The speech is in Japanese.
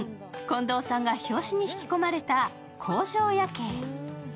近藤さんが表紙に引き込まれた「工場夜景」。